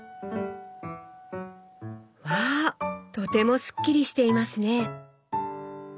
わあとてもスッキリしていますね。